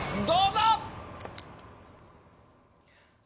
どうぞ！